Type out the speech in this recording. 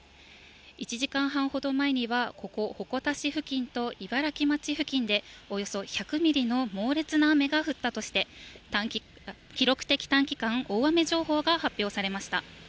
１時間半ほど前には、ここ、鉾田市付近と茨城町付近でおよそ１００ミリの猛烈な雨が降ったとして、記録的短時間大雨情報が発表されました。